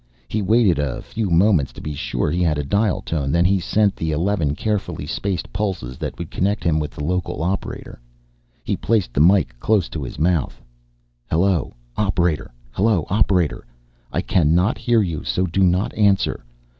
He waited a few moments to be sure he had a dial tone then sent the eleven carefully spaced pulses that would connect him with the local operator. He placed the mike close to his mouth. "Hello, operator. Hello, operator. I cannot hear you so do not answer.